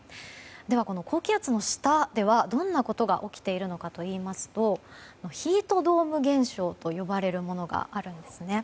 この高気圧の下ではどんなことが起きているのかといいますとヒートドーム現象と呼ばれるものがあります。